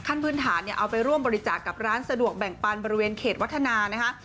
ขั้นพื้นฐานเนี่ยเอาไปร่วมบริจาคกับร้านสะดวกแบ่งปันบริเวณเขตวัฒนานะคะ